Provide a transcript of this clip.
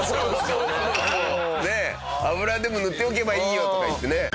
「油でも塗っておけばいいよ」とか言ってね。